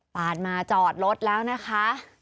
ปาดมาจอดรถแล้วนะคะ